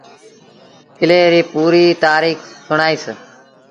ڪلي ريٚ پوريٚ تآريٚک سُڻآئيٚس